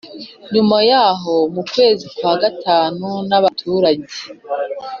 nyuma yaho mu kwezi kwa gatatu nabaturage